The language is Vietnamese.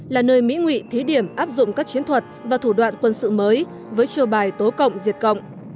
là nơi mỹ ngụy thí điểm áp dụng các chiến thuật và thủ đoạn quân sự mới với chiều bài tố cộng diệt cộng